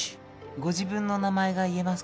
ご自分の名前が言えますか？